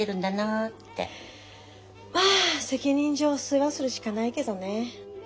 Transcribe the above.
まあ責任上世話するしかないけどね。